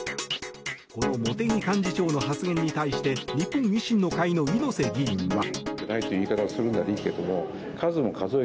この茂木幹事長の発言に対して日本維新の会の猪瀬議員は。